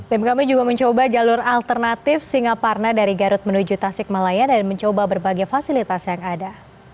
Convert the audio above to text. tim kami juga mencoba jalur alternatif singaparna dari garut menuju tasik malaya dan mencoba berbagai fasilitas yang ada